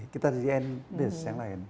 kita di end bis yang lain